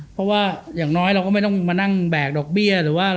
เพราะว่าอย่างน้อยเราก็ไม่ต้องมานั่งแบกดอกเบี้ยหรือว่า